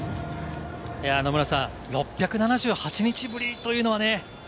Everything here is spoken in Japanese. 野村さん、６７８日ぶりというのはね。